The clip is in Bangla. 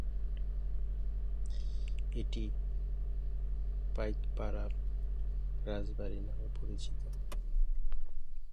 এটি পাইকপাড়া রাজবাড়ী নামেও পরিচিত।